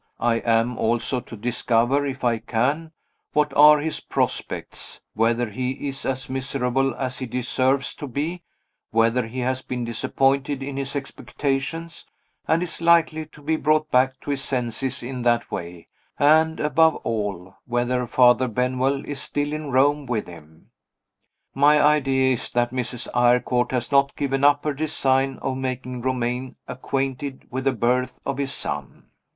I am also to discover, if I can, what are his prospects whether he is as miserable as he deserves to be whether he has been disappointed in his expectations, and is likely to be brought back to his senses in that way and, above all, whether Father Benwell is still at Rome with him. My idea is that Mrs. Eyrecourt has not given up her design of making Romayne acquainted with the birth of his son.